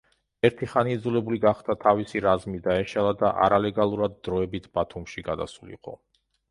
ერთი ხანი იძულებული გახდა თავისი რაზმი დაეშალა და არალეგალურად დროებით ბათუმში გადასულიყო.